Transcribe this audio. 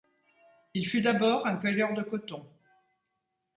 Il fut d'abord un cueilleur de coton.